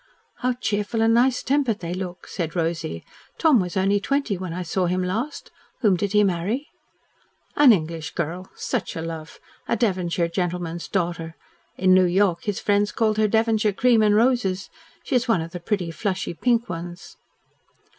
"How cheerful and nice tempered they look," said Rosy. "Tom was only twenty when I saw him last. Whom did he marry?" "An English girl. Such a love. A Devonshire gentleman's daughter. In New York his friends called her Devonshire Cream and Roses. She is one of the pretty, flushy, pink ones."